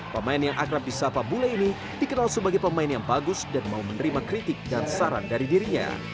pemain yang akrab di sapa bule ini dikenal sebagai pemain yang bagus dan mau menerima kritik dan saran dari dirinya